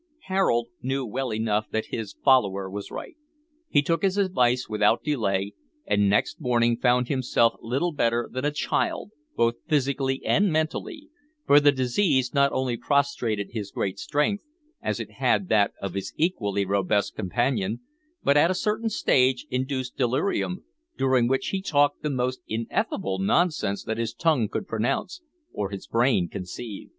Harold knew well enough that his follower was right. He took his advice without delay, and next morning found himself little better than a child, both physically and mentally, for the disease not only prostrated his great strength as it had that of his equally robust companion but, at a certain stage, induced delirium, during which he talked the most ineffable nonsense that his tongue could pronounce, or his brain conceive.